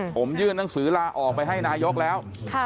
ผมยื่นหนังสือลาออกไปให้นายกแล้ว